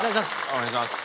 お願いします。